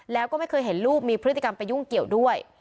แล้วก็ไม่เคยเห็นลูกมีพฤติกรรมไปยุ่งเกี่ยวด้วย